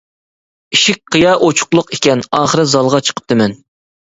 ئىشىك قىيا ئوچۇقلۇق ئىكەن. ئاخىرى زالغا چىقىپتىمەن.